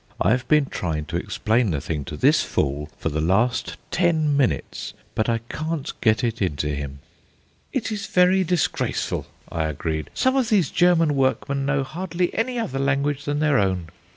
I have been trying to explain the thing to this fool for the last ten minutes; but I can't get it into him." "It is very disgraceful," I agreed. "Some of these German workmen know hardly any other language than their own."